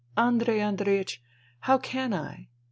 . Andrei Andreiech, how can I